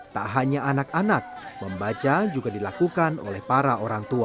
tak hanya anak anak membaca juga dilakukan oleh para orang tua